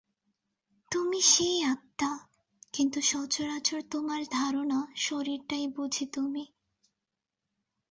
তুমি সেই আত্মা, কিন্তু সচরাচর তোমার ধারণা শরীরটাই বুঝি তুমি।